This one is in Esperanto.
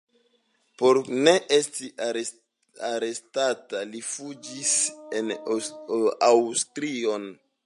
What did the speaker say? Por ne esti arestita li fuĝis en Aŭstrion.